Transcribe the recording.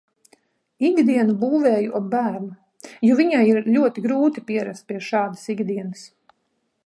Ikdienu būvēju ap bērnu, jo viņai ir ļoti grūti pierast pie šādas ikdienas.